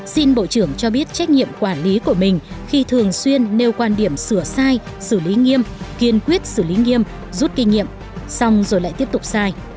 xin bộ trưởng cho biết trách nhiệm quản lý của mình khi thường xuyên nêu quan điểm sửa sai xử lý nghiêm kiên quyết xử lý nghiêm rút kinh nghiệm xong rồi lại tiếp tục sai